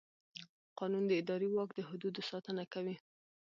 قانون د اداري واک د حدودو ساتنه کوي.